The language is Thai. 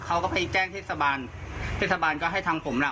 เขาก็ไปแจ้งเทศบาลเทศบาลก็ให้ทางผมล่ะ